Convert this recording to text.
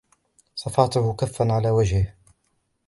صفعته كفاً على وجهه.